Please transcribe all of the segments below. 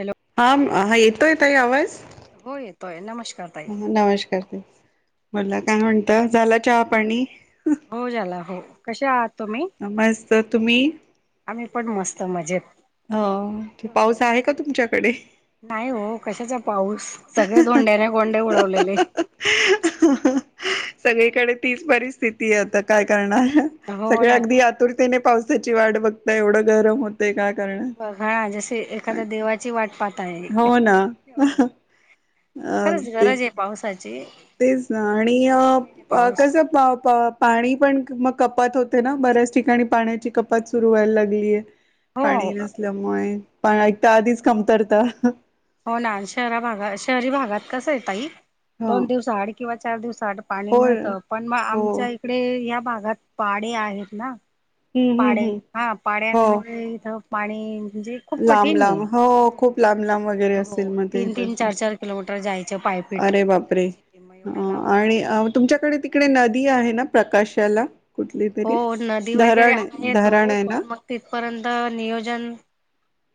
Hello हा हा येतोय तई आवाज हो येतोय नमस्कार ताई नमस्कार त बला काय म्हणत झाला चहा पाणी हो झाला हो कसे आहात तुम्ही मस्त तुम्ही आम्ही पण मस्त मजेत. ह ते पाऊस आहे का? तुमच्याकडे नाही हो कशाचा पाऊस सगळे धोंड्याने गोंडे उडवलेले काय सगळीकडे तीच परिस्थिती आहे आता काय करणार हो सगळे ना अगदी आतुरतेने पावसाची वाट बघताय एवढं गरम होतय का? बघणा जसे एखाद्या देवा वाटपात आहे हो ना अ खरंच गरज तेच आहे पावसाची तेच ना आणि यायला पाहिजे पाऊस कसं पा पा पाणी पण मग कपात होते ना बऱ्याच ठिकाणी पाण्याची कपात सुरू व्हायला लागलीय. हो पाणी नसल्यामुळे प ऐकता आधीच कमतरता. हो ना शहरा भागात शहरी भागात कसं आहे तई हा दोन दिवस हड किंवा चार दिवस आड पाणी हो मिळतं पण मग हो आमच्या इकडे या भागात पाडे आहेत ना हम्म हम्म पाडे हम्म हा हो पाड्यांमुळे इथ पाणी म्हणजे खूप लांब कठीण आहे. लांब हो खूप हम्म. लांब लांब वगैरे असेल मध्ये तसं ार किलोमीटर जायचं पा अरे बापरे आणि तुमच्याकडे त इिकडे नदी आहे ना प्रकाशाला कुठली हो तरी नदी वगैरे धरण आहे त धरण आहे ना पण मग तिथपर्यंत नियोजन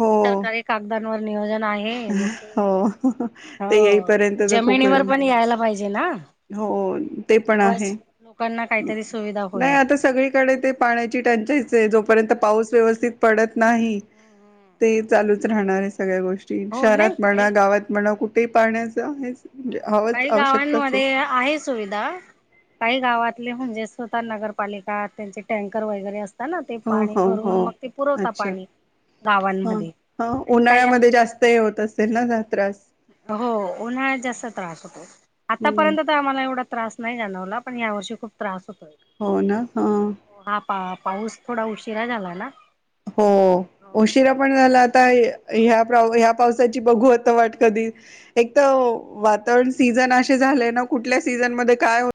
हो सरकारी कागदांवर नियोजन आहे. मग ते हो ते हो येईपर्यंत तर खूप जमिनीवर येऊन. पण यायला पाहिजे ना हो ते पण आहे तेव्हाच लोकांना काहीतरी सुविधा नाही होईल आता सगळीकडे ते पाण्याची टचाच आहे जोपर्यंत पाऊस व्यवस्थित पडत नाही. ते चालूच राहणार आहे सगळ्या गोष्टी हो नाही शहरात म्हणा काही गावात म्हणा कुठे पाण्याचं आहे. म्हणजे हवच काही आवश्यकताच आहे. गावांमध्ये आहे सुविधा काही गावातले म्हणजे स्वतः नगर पालिका त्यांचे टँकर वगैरे असतात ना ते हो पाणी हो भरून हो मग ते पुरवता अच्छा पाणी हा गावांमध्ये हा आणि काही उन्हाळ्यामध्ये जास्त हे होत असेल ना त्रास हो उन्हाळ जास्त त्रास होतो हम्म आतापर्यंत तर आम्हाला एवढा त्रास नाही जाणवला पण या वर्षी खूप त्रास होतोय. हो ना ह. हा पा पाऊस थोडा उशिरा झाला ना हो उशिरा पण झाला आता ह्या ह्या पावसाची बघू आता वाट कधी एक तर वातावरण सीझन असे झालंय ना कुठल्या सीझनमध्येध्ये काय?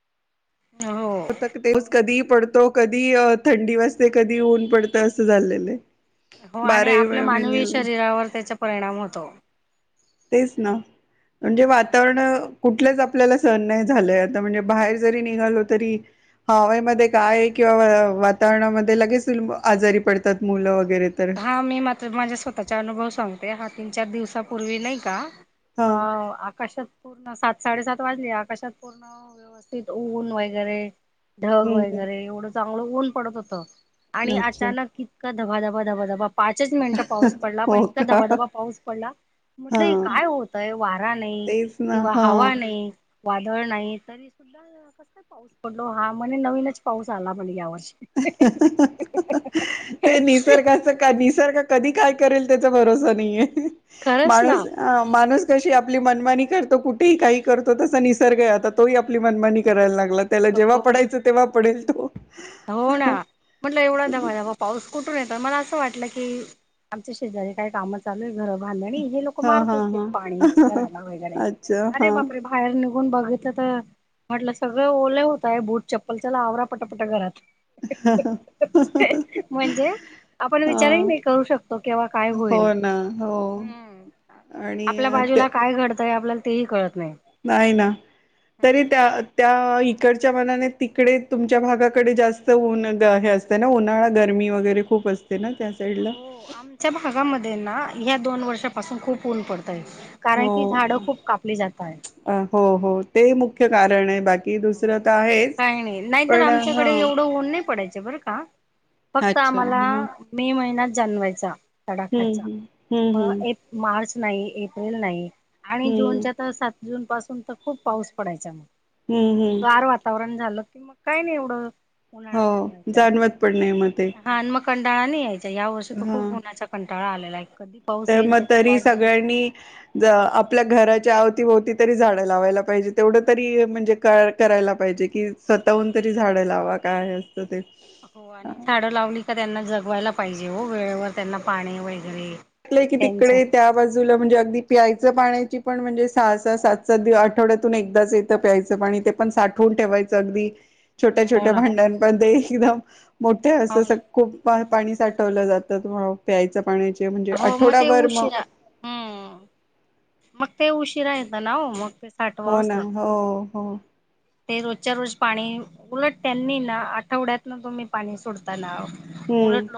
हो तेस कधी पडतो कधी थंडी वाजते कधी ऊन पडतं असं झाचाललेलं आहे. हो आणि बाराही आपल्या मानवी महिने शरीरावर त्याचा परिणाम होतो. तेच ना. म्हणजे हम्म वातावरण- कुठलच आपल्याला सहन नाही झालय आता. म्हणजे बाहेर जरी निघालो तरी- हवेमध्ये काय किंवा वातावरणामध्ये लगेच आजारी पडतात मुलं वगैरे तर. हा. मी [unintelligible] माझ्या स्वतःचा अनुभव सांगते. हा तीन चार दिवसापूर्वी नाही का? हा. आकाशात- पूर्ण. सात साडेसात वाजले. आकाशात पूर्ण व्यवस्थित ऊन वगैरे- ढग हम्म वगैरे. एवढं चांगल ऊन पडत होत. आणि हम्म. अच्छा अचानक इतका धबाधबा- ध धब धबा पाचच मिनिटं पाऊस पडला. पण हो इतका का धबाधबा पाऊस पडला हा म्हटल हे काय होतय? वारा नाही तेच ना किंवा हा हवा नाही. वादळ नाही. तरी सुद्धा कस काय पाऊस पडतो. हा. म्हणे नवीनच पाऊस आला म्हणे या वर्षी. ते निसर्गाच- का निसर्ग कधी काय करेल? त्याचा भरोसा नाहीय. खरंच ना माणूस- आ. माणूस कशी आपली मनमानी करतो. कुठेही काहीही करतो. तसा निसर्ग आहे आता. तोही - आपली मनमानी करायला लागला. त्याला जेव्हा हो पडायचं तेव्हा पडेल तो. हो ना? म्हटलं एवढा धबाधबा पाऊस कुठून येतो? मला असं वाटलं की- आमच्या शेजारी काय काम चालूय घर बांधणी [unintelligible] ते हा मारत हा असत्यात पाणी. हा अच्छा [unintelligible] अरे हा. बापरे! बाहेर निघून बघितलं तर, म्हटलं सगळं ओले होताय बूट चप्पल चला आवरा पटपट घरात. म्हणजे [inaudible] आपण हा विचारही नाही करू शकतो. केव्हा काय हो होईल? ना हो आणि आपल्या ते बाजूला काय घडतंय? आपल्याला तेही कळत नाही. नाही ना. तरी त्या, त्या इकडच्या मानाने तिकडे तुमच्या भागाकडे जास्त- न हे असत ना? उन्हाळा गरमी वगैरे खूप असते ना त्या साईड ला? हो आमच्या भागामध्ये ना? ह्या दोन वर्षापासून खूप ऊन पडतय. कारण की झाडं खूप कापली जाताहेत. अ हो हो. ते मुख्य कारण आहे. बाकी हो दुसरं तर आहेच. काही नाही नाहीतर पण हं. आं? फक्त आम्हाला मे महिनाच जाणवायचा. हम्म तडाख्याचा. हम्म हम्म मग हम्म एक- मार्च नाही. एप्रिल नाही आणि हम्म जूनच्या तर, सात जून पासून तर खूप पाऊस- पडायचा मग. हम्म हम्म गार वातावरण झालं की मग काय नाही एवढं. हो. उन्हाळा जाणवायचा जाणवत पण नाही म ते. हा. मग कंटाळा नाही यायचा. या वर्षी त हा खूप उन्हाचा कंटाळा आलेलाय. कधी- पाऊस तर येईल मग त्याची तरी वाट बघितली सगळ्यांनी- ज आपल्या घराच्या अवतीभोवती तरी झाडं लावायला पाहिजे. तेवढं तरी म्हणजे- करायला पाहिजे. कि स्वतःहून तरी झाडं लावा काय असतं ते? हो. आणि झाडं लावली का त्यांना जगवायला पाहिजे हो वेळेवर त्यांना पाणी वगैरे. [unintelligible] की त्यांच तिकडे- त्या बाजूला म्हणजे अगदी प्यायचं पाण्याची पण म्हणजे सहा सहा सात सात दि, आठवड्यातून एकदाच येत. प्यायचं पाणी ते पण साठवून ठेवायचं अगदी. छोट्या हो छोट्या ना भांड्यांमध्ये, पण ते एकदम मोठे हो असं- ना खूप पाणी साठवलं जातं. हो प्यायच्या पाण्याचे. म्हणजे हो मग ते आठवडाभर मग- उशिरा हम्म. मग ते उशीरा येत ना हो. मग ते- हो साठवावंच ना हो हो लागतं. ते रोजच्या रोज पाणी. उलट त्यांनी ना आठवड्यात ना तुम्ही पाणी सोडता ना? हम्म उलट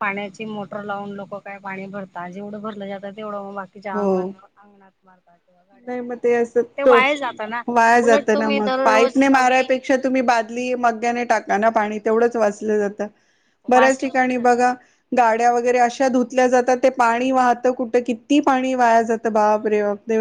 पाण्याची मोटर लावून लोक- काय पाणी भरतात. जेवढं भरलं जात तेवढं. म बाकीच अंगण हो अंगणात मारतात. किंवा गाड्या नाही मग धुतात ते अस. ते वाया जात ना वाया उलट जात ना तुम्ही मग? दररोज पाईपणे अगदी मारायपेक्षा मग - तुम्ही बादली मग्याने टाका ना पाणी. तेवढंच वाचलं जातं. बऱ्याच वाचलं पण ठिकाणी जात बघा गाड्या वगैरे अशा ल्या जातात ते पाणी वाहतं कुठं किती पाणी वाया जातं बाप रे बाप दे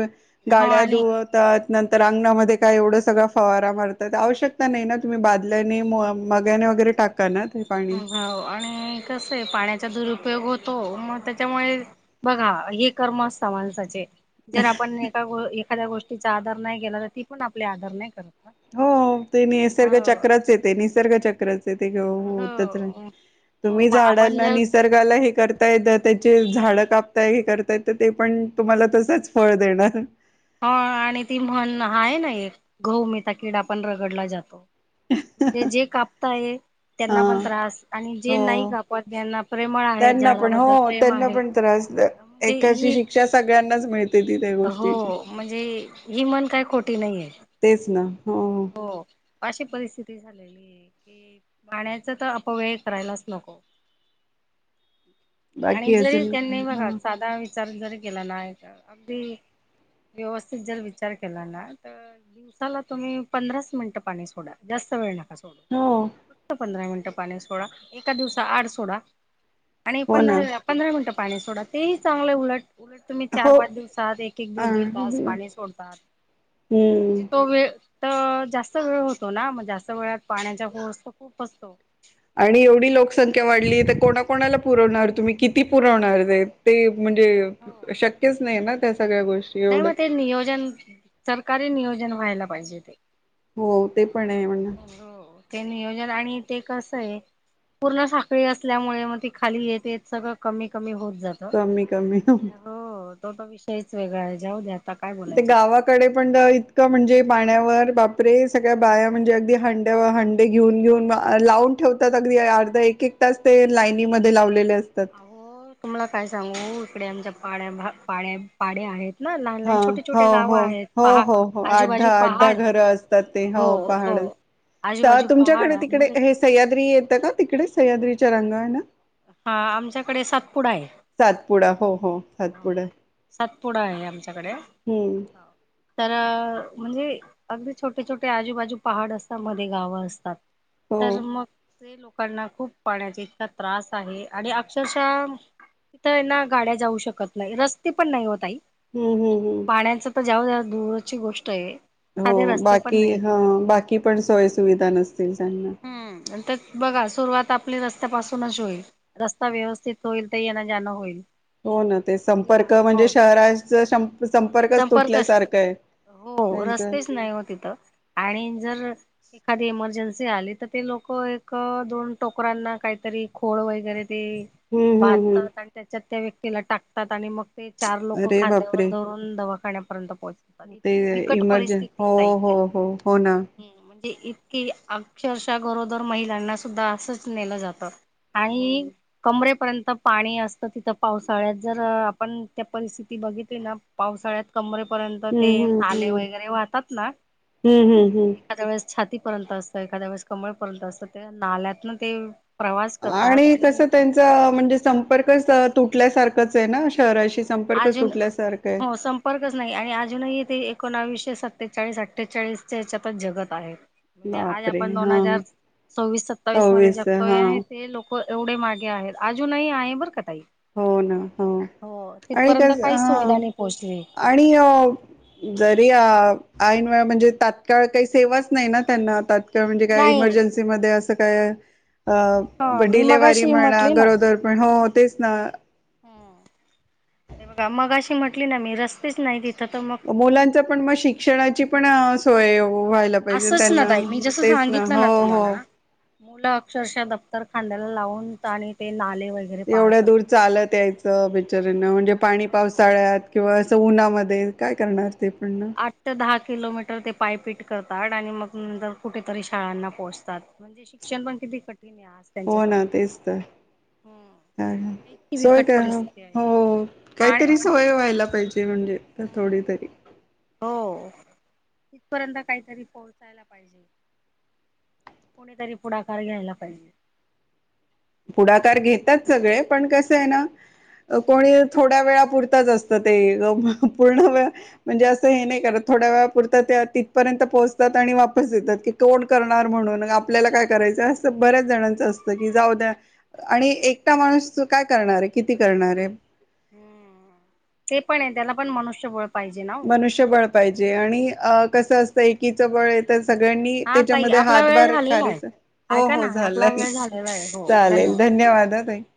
हो गाड्या आणि धुवत नर अंगणामध्ये काय एवढं सगळ फवारा मारतात आवशक नाही ना तुमही ल्या मगाने वगैरे टाका ना पाणी हो आणि कसं आहे पाण्याचा दुरुपयोग होतो मग त्याच्यामुळे बघा हे कर्म असत माणसाचे जर आपण एका ग एखाद्या गोष्टीचा आदर नाही केला तर ती पण आपले आदर नाही करत. हो ते निसर्ग हो चक्रच येते निसर्ग चक्रच. हो हो तुम्ही मग झाडा आपण ना निस जर निसर्गाला हे करतायेत त्याचे झाडं कापताय हे करतायत तर ते पण तुम्हाला तसच फळ देणार. हा आणि ती म्हण हा आहे ना एक गहु मिचा किडा पण रगडला जातो. म्हणजे जे कापताय हा त्यांना पण त्रास आणि जे हो नाही कापत यांना प्रेमळ आहेत त्यांना पण हो झाडाबद्दल प्रेम त्यांना आहे म्हणजे एकाची ही शिक्षा सगळ्यांनाच मिळते. ती त्या हो गोष्टीची म्हणजे ही मन काय खोटी नाहीये. तेच ना हो. हो अशी परिस्थिती झालेली आहे की पाण्याच तर अपव्यय करायलाच नको. आणि बाकी जरी अजून त्यांनी हा बघा साधा विचार जरी केला ना अगदी व्यवस्थित जर विचार केला ना तर दिवसाला तुम्ही पंधरास मिनिटं पाणी सोडा जास्त वेळ नका सोडू. हो फक्त पंधरा मिनिटं पाणी सोडा एका दिवसा आड सोडा आणि हो ना पंधरा पंधरा मिनटं पाणी सोडा ते चांगलं उलट उलट तुम्ही चार हो पाच दिवसात एक एक दीड दीड तास हम्म पाणी सोडतात म्हणजे तो वेळ तर जास्त वेळ होतो ना मग जास्त वेळात पाण्याचा पस खूप असतो आणि एवढी लोकसंख्या वाढली तर कोणाकणाला पुरवणार तुम्ही किती पुरवणार ते. ते म्हणजे हो शक्यच नाही ना त्या सगळ्या गोष्टी. नाही एवढं मग ते नियोजन सरकारी नियोजन व्हायला पाहिजे ते हो ते पण आहे म्हणा ते नियोजन आणि ते कस आहे पूर्ण साखळी असल्यामुळे मग ती खाली येतेत सगळं कमी कमी होत जात. कमी कमी हो तो तर विषयच वेगळा आहे जाऊ द्या आता. काय ते बोलायचं गावात त्याच्यात. पण इतकं म्हणजे पाण्यावर बापरे सगळ्या बाया म्हणजे अगदी हंड्यावरं घेऊन घेऊन लावून ठेवतात अगदी अर्धा एक एक तास ते लाईनमध्ये लावलेले असतात. हो तुम्हाला काय सांगू इकडे आमच्या पाड्या पाड्या पाड्या आहेत. ना लहान हा लहान छोटे हो छोटे गाव हो आहेत हो पहा हो हो आठ आजूबाजू दाहा आठ दाहा पहाड घर असतात ते हो पहाड आजूबाजू पहाड तुमच्याकडे आणि तिकडे मग हे सह्याद्री येतं का तिकडे सह्याद्रीचा रंग आहे ना हा आमच्याकडे सातपुडा आहे. सातपुडा हो हो सातपुडा. सातपुडा आहे आमच्याकडे हम्म. तर म्हणजे अगदी छोटे छोटे आजूबाजू पहाड असतात मध्ये गावं असतात हो तर मग ते लोकांना खूप पाण्याचा इतका त्रास आहे आणि अक्षरशः तिथ ना गाड्या जाऊ शकत नाही रस्ते पण नाही ओ ताई. हम्म हम् हम्. पाण्याच तर ज्याव दूरची गोष्ट आहे. हो साधे रस्ते पण बाकी नाही ह तिथं बाकी पण सोय सुुविधा नसतील चांगल्या हम्म तर बघा सुरुवात आपली रस्त्यापासूनच होईल. रस्ता व्यवस्थित होईल ते येन जाणं होईल. हो ना. ते किंवा संपर्क म्हणजे. हो शहराचा संपर्कच संपर्क, तुटल्यासारखं आहे हो त्यांच रस्तेच नाही हो तिथं. आणि जर एखादी इमर्जन्सी आली तर, ते लोक एक दोन टोकरांना काहीतरी खोळ वगैरे ते हम्म हम्म हम्म बांधतात. आणि त्याच्यात त्या व्यक्तीला टाकतात. आणि मग ते चार लोक अरे खांद्यावर बापरे धरून दवाखान्यापर्यंत पोहचात. ते इतकी बिकट इमर्जन हो परिस्थिती ताई. हो हो हो ना हम्म, म्हणजे इतकी अक्षरशः गरोदर महिलांना सुद्धा असंच नेलं जातं‌. हो आणि. ना. कमरेपर्यंत पाणी असतं तिथं, पावसाळ्यात जर आपण त्या परिस्थिती बघितली ना, पावसाळ्यात, कमरेपर्यंत ते हम्म हम्म नाले हम्म वगैरे वाहतात ना. हम्म हम्म हम्म एखाद्या वेळेस छातीपर्यंत असतं. एखाद्या वेळेस कमळपर्यंत असतं. ते नाल्यातन ते प्रवास करतात आणि कस त्यांचा म्हणजे, संपर्कच तुटल्यासारखचे ना. शहराशी. संपर्कच अजून तुटल्यासारखय. हो संपर्कच नाही. आणि अजूनही ते एकोणावीसशे सत्तेचाळीस, अठ्ठेचाळीसच्या या्याच्यात जगत आहे. म्हणजे आज बापरे आपण दोन हा हजार सवीस सत्तावीस मध्ये सव्वीस जगतोय. हा आणि ते लोक एवढे मागे आहेत. अजूनही आहे बरं का ताई. हो ना. हो. हो आणि तिथपर्यंत कस काहीच हा सुविधा नाही पोहचली. आणि अ जरी ऐन वेळा, म्हणजे तात्काळ काही सेवाच नाही ना त्यांना. तात किंवा म्हणजे काय, नाही. इमर्जन्सीमध्ये असं काय, हा मी डिलेव्हरी मगाशी म्हणा. म्हटली ना. गरोदर पण, हो तेच ना. बघा मगाशी म्हटली ना मी. रस्तेच नाही तिथं तर. मग मुलांच पण मग. शिक्षणाची पण सोय व्हायला पाहिजे असंच ना त्यांना. ताई मी जसं तेच ना. सांगितलं हो हो. तुम्हाला मुलं अक्षरशः दफ्तर खांद्याला लावून. आणि ते नाले वै एवढ्या दूर चालत यायचं बिचऱ्यांन. म्हणजे पाणी हो पावसाळ्यात. किंवा असं उन्हामध्ये. काय करणार. ते पण ना. आठ ते दहा किलोमीटर ते पायपीट करतात. आणि मग नंतर कुठेतरी शाळांना पोहोचतात. णजे शिक्षण पण किती कठीणे आज. हो ना, त्यांच्यासाठी तेच तर. हम्म काय? इतकी सोय बिकट काय हो, परिस्थिती आहे हो हो पाण्या काहीतरी सोय व्हायला पाहिजे. म्हणजे हम्म थोडी तरी. हो तिथपर्यंत काहीतरी पोहोचायला पाहिजे. कोणीतरी पुढाकार घ्यायला पाहिजे. पुढाकार घेतात सगळे. पण कसं आहे ना, कोणी थोड्या वेळापुरतंच असतं ते. पूर्ण व म्हणजे असं हे नाही करत. थोड्या वेळापुरं ते तिथपर्यंत पोहोचतात. आणि वापस येतात. की तोंड करणार म्हणून. आपल्याला काय करायचं. असं बऱ्याच जणांचं असतं. की जाऊ द्या. आणि एकटा माणूस काय करणारे. किती करणारे. हम्म. ते पणे. त्याला पण मनुष्य बळ मनुष्यबळ पाहिजे. आणि कसं असतं. एकीचं बळ तर सगळ्यांनी हा ताई त्याच्यामध्ये. आपला वेळ हातभार झालेला खारीचा. हो हो झालंय. ह हो [unintelligible] चालेल धन्यवाद अ ताई.